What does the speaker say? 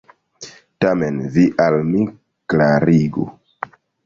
Tamen vi al mi klarigu!